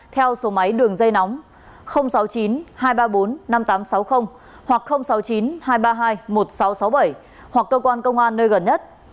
theo số máy đường dây nóng sáu mươi chín hai trăm ba mươi bốn năm nghìn tám trăm sáu mươi hoặc sáu mươi chín hai trăm ba mươi hai một nghìn sáu trăm sáu mươi bảy hoặc cơ quan công an nơi gần nhất